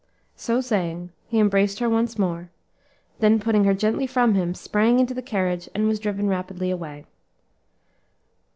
So saying, he embraced her once more, then putting her gently from him, sprang into the carriage and was driven rapidly away.